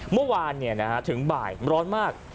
เมื่อวานเนี่ยนะฮะถึงบ่ายร้อนมาก